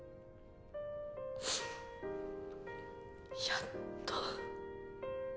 やっと！